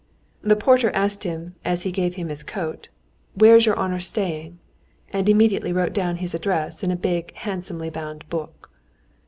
The porter asked him, as he gave him his coat, "Where is your honor staying?" and immediately wrote down his address in a big handsomely bound book.